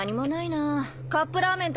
カップラーメンとかある？